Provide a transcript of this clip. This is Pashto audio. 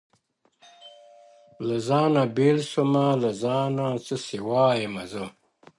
له ځانه بېل سومه له ځانه څه سېوا يمه زه.